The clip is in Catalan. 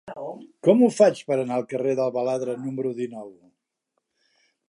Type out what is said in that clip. Com ho faig per anar al carrer del Baladre número dinou?